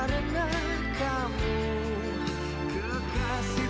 selama apa pun itu